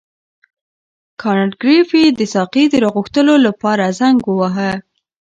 کانت ګریفي د ساقي د راغوښتلو لپاره زنګ وواهه.